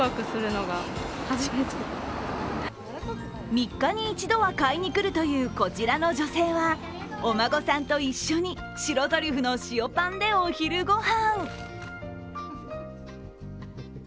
３日に１度は買いに来るというこちらの女性はお孫さんと一緒に白トリュフの塩パンでお昼ご飯。